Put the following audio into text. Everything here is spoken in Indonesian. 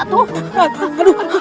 aduh aduh aduh ampun